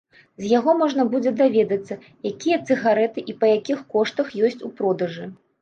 З яго можна будзе даведацца, якія цыгарэты і па якіх коштах ёсць у продажы.